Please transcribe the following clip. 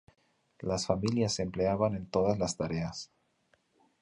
Las familias se empleaban en todas las tareas.